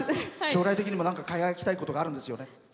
将来的にも輝きたいことあるんですよね。